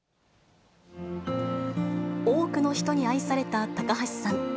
多くの人に愛された高橋さん。